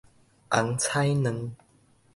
紅彩卵